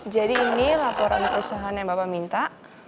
jadi ini laporan perusahaan yang bapak minta